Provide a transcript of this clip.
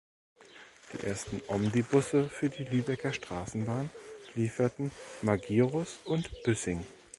Die ersten Omnibusse für die "Lübecker Straßenbahn" lieferten Magirus und Büssing.